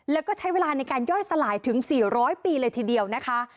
แล้วก็ใช้เวลาในการย่อยสลายถึง๔๐๐ปีเลยทีเดียวนะคะ